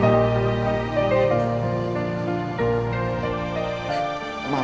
mak mak mak